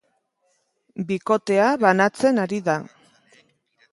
Bikotea banatzen ari da.